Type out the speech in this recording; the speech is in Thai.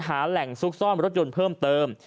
หาแหล่งซุกซ่อนรถยนต์เพิ่มเติม